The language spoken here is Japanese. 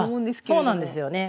そうなんですよね。